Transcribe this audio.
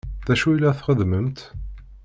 D acu i la txeddmemt?